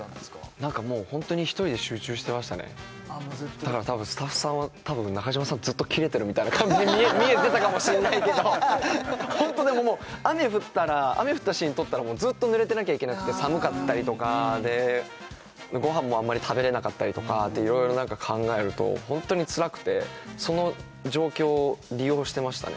なんかもうホントに１人で集中してましたねだから多分スタッフさんは多分中島さんずっとキレてるみたいな感じに見えてたかもしんないけどホントでももう雨降ったシーン撮ったらずっとぬれてなきゃいけなくて寒かったりとかでご飯もあんまり食べれなかったりとか色々なんか考えるとホントにつらくてその状況を利用してましたね